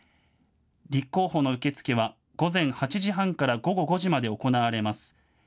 立候補の受け付けは午前８時半から午後５時まで行われます。